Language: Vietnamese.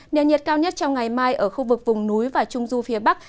nền nhiệt cao nhất trong ngày mai ở khu vực vùng núi và trung du phía bắc